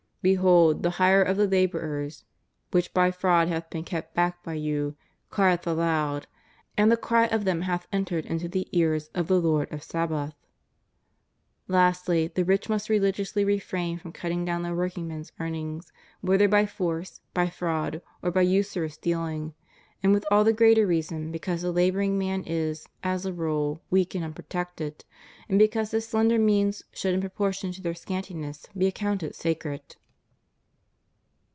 Behold, the hire of the laborers ... which by fraud hath been kept back by you, crieth aloud; and the cry of them hath entered into the ears of the Lord of Sabaoth} Lastly, the rich must religiously refrain from cutting down the workmen's earnings, whether by force, by fraud, or by usurious dealing; and with all the greater reason because the laboring man is, as a rule, weak and unprotected, and because his slender means should in proportion to their scantiness be accounted sacred.